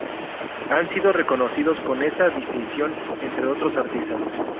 Han sido reconocidos con esta distinción, entre otros artistas.